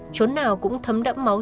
chốn nào cũng thấm đẫm máu